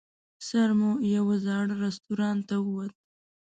سر مو یوه زاړه رستورانت ته ووت.